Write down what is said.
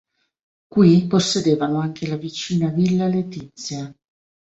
Qui possedevano anche la vicina villa Letizia.